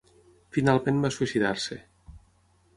Finalment va suïcidar-se.